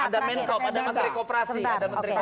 ada menkop ada menteri koperasi